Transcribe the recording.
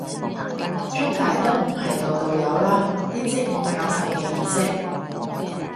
中大都唔係度度有啦，啲職員教授嘅意識